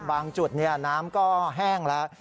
บางจุดน้ำก็แห้งแล้ว